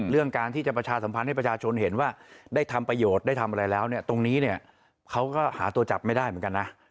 เรื่องการที่จะประชาสัมพันธ์ให้ประชาชนเห็นว่าได้ทำประโยชน์ได้ทำอะไรแล้วเนี่ยตรงนี้เนี่ยเขาก็หาตัวจับไม่ได้เหมือนกันนะ